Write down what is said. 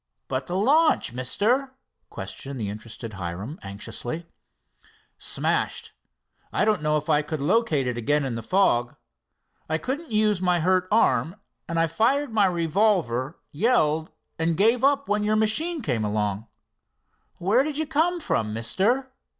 "But the launch, Mister?" questioned the interested Hiram anxiously. "Smashed. I don't know if I could locate it again in the fog. I couldn't use my hurt arm, and I fired my revolver, yelled, and gave up when your machine came along." "Where did you come from, Mister?"